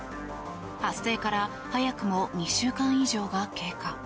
発生から早くも２週間以上が経過。